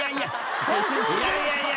いやいやいや。